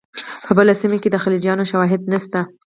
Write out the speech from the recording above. په بله سیمه کې د خلجیانو شواهد نشته.